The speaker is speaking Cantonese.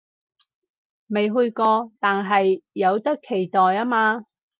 未去過，但係有得期待吖嘛